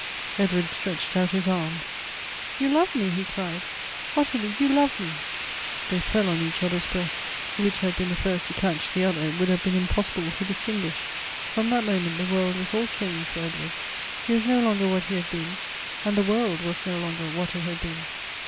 Edward stretched out his arms. " You love me !" he cried :" Ottilie, you love me !" They fell on each other's breast — which had been the first to catch the other it would have been impossible to distinguish. From that moment the world was all changed for Ed ward. He was no longer what he had been, and the world was no longer what it had been.